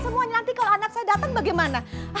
semuanya nanti kalau anak saya datang bagaimana